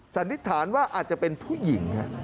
สันนิษฐานว่าอาจจะเป็นผู้หญิง